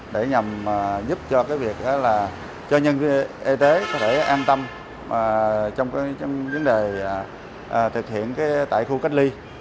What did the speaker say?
để nhằm giúp cho cái việc đó là cho nhân viên y tế có thể an tâm trong cái vấn đề thực hiện tại khu cách ly